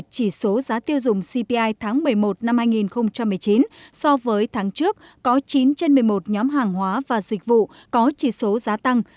chỉ số giá tiêu dùng cpi tháng một mươi một năm hai nghìn một mươi chín so với tháng trước có chín trên một mươi một nhóm hàng hóa và dịch vụ có chỉ số giá tăng